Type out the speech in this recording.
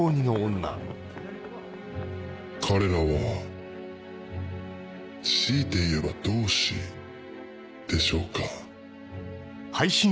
彼らは強いて言えば同志でしょうか。